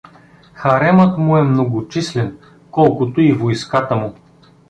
Харемът му е многочислен, колкото и войската му.